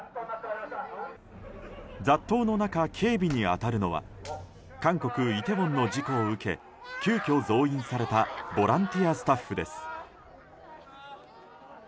雑踏の中、警備に当たるのは韓国イテウォンの事故を受け急きょ増員されたボランティアスタッフです。